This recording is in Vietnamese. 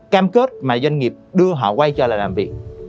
cam kết mà doanh nghiệp đưa họ quay trở lại làm việc